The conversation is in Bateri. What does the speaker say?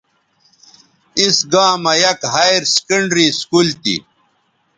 اِس گاں مہ یک ہائیر سیکنڈری سکول تھی